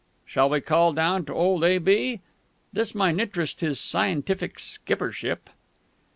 Shall we call down to old A. B.? This might interest His Scientific Skippership....